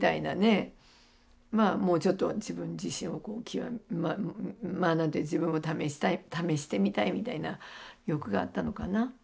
もうちょっと自分自身を極め自分を試したい試してみたいみたいな欲があったのかな。